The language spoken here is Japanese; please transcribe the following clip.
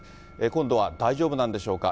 今度は大丈夫なんでしょうか。